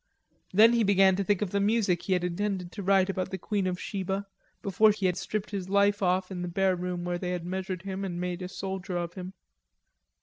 Then he began to think of the music he had intended to write about the Queen of Sheba before he had stripped his life off in the bare room where they had measured him and made a soldier of him.